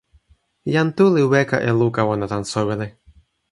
jan Tu li weka e luka ona tan soweli.